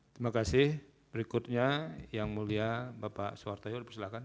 terima kasih berikutnya yang mulia bapak soeharto yorub silakan